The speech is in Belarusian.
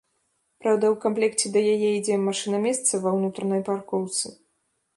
Праўда, у камплекце да яе ідзе машына-месца ва ўнутранай паркоўцы.